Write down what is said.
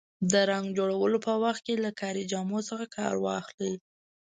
د رنګ جوړولو په وخت کې له کاري جامو څخه کار واخلئ.